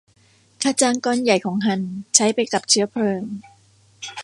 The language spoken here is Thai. ค่าจ้างก้อนใหญ่ของฮันใช้ไปกับเชื้อเพลิง